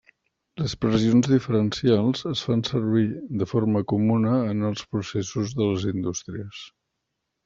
Les pressions diferencials es fan servir de forma comuna en els processos de les indústries.